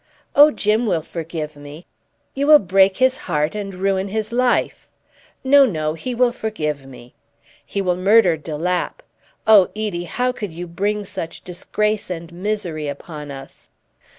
"Oh, Jim will forgive me!" "You will break his heart and ruin his life." "No, no; he will forgive me." "He will murder de Lapp! Oh, Edie, how could you bring such disgrace and misery upon us?"